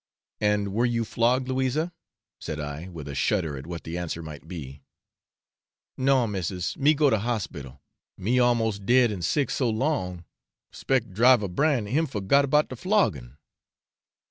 'And were you flogged, Louisa?' said I, with a shudder at what the answer might be. 'No, missis, me go to hospital; me almost dead and sick so long, 'spec Driver Bran him forgot 'bout de flogging.'